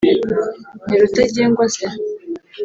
« Ni Rutagengwa se